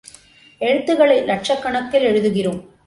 எழுத்துகளை இலட்சக் கணக்கில் எழுதுகிறோம்.